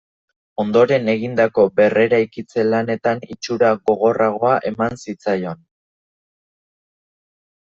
Ondoren egindako berreraikitze lanetan itxura gogorragoa eman zitzaion.